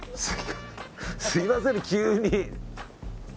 すみません、急に。